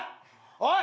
おい！